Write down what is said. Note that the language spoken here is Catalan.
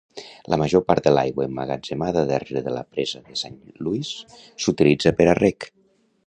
La major part de l'aigua emmagatzemada darrere de la presa de San Luis s'utilitza per a reg.